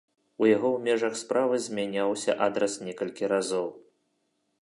У яго ў межах справы змяняўся адрас некалькі разоў.